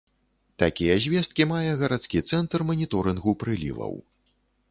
Такія звесткі мае гарадскі цэнтр маніторынгу прыліваў.